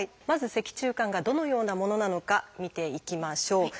まず脊柱管がどのようなものなのか見ていきましょう。